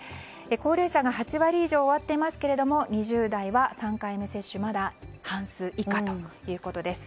高齢者が８割以上終わっていますけど２０代は３回目接種がまだ半数以下ということです。